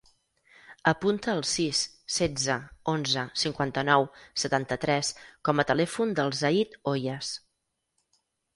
Apunta el sis, setze, onze, cinquanta-nou, setanta-tres com a telèfon del Zayd Hoyas.